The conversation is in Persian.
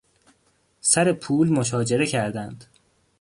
سر پول مشاجره کردند.